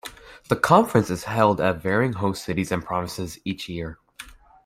The conference is held at varying host cities and provinces each year.